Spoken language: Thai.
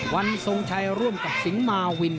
วันทรงชัยร่วมกับสิงหมาวิน